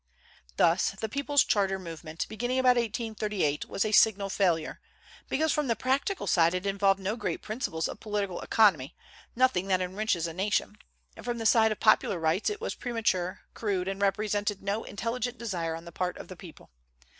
Thus the People's Charter movement, beginning about 1838, was a signal failure, because from the practical side it involved no great principles of political economy, nothing that enriches a nation; and from the side of popular rights it was premature, crude, and represented no intelligent desire on the part of the people.